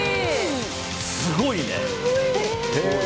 すごいね。